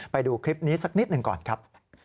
ไปดูคลิปนี้สักนิดหนึ่งก่อนครับ